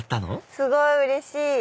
すごいうれしい！